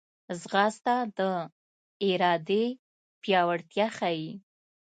ځغاسته د ارادې پیاوړتیا ښيي